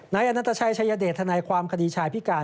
นายอชัยเดชทนายความคดีชายพิการ